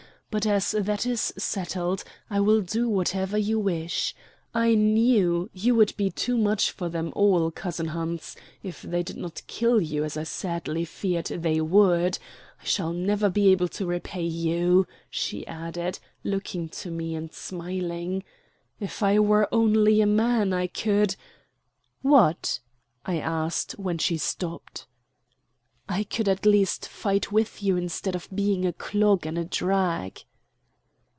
But as that is settled, I will do whatever you wish. I knew you would be too much for them all, cousin Hans, if they did not kill you, as I sadly feared they would. I shall never be able to repay you," she added, looking to me and smiling. "If I were only a man, I could " "What?" I asked when she stopped. "I could at least fight with you instead of being a clog and a drag."